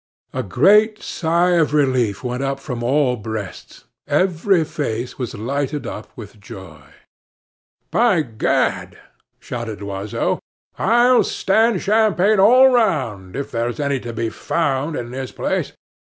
A great sigh of relief went up from all breasts; every face was lighted up with joy. "By Gad!" shouted Loiseau, "I'll stand champagne all round if there's any to be found in this place."